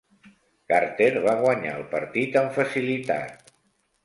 Carter va guanyar el partit amb facilitat.